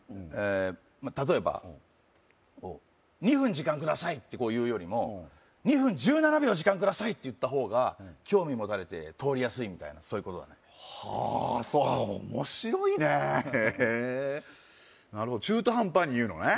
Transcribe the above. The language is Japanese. まあ例えば「２分時間ください」って言うよりも「２分１７秒時間ください」って言った方が興味持たれて通りやすいみたいなそういうことだねはあそうあっ面白いねへえなるほど中途半端に言うのね